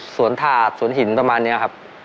ถาดสวนหินประมาณนี้ครับ